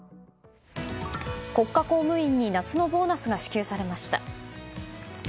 国家公務員に夏のボーナスが支給されました。